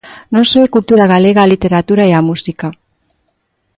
Non só é cultura galega a literatura e a música.